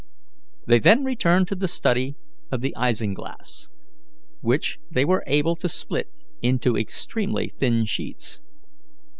They then returned to the study of the isinglass, which they were able to split into extremely thin sheets.